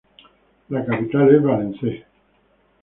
La capital es Valence.